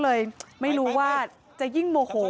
เจ้าแม่น้ำเจ้าแม่น้ำ